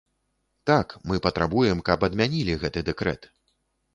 Так, мы патрабуем, каб адмянілі гэты дэкрэт.